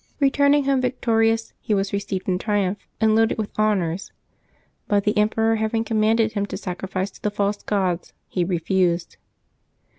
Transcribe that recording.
Eeturning home victorious, he was received in triumph and loaded with honors; but the emperor having commanded him to sac rifice to the false gods, he refused.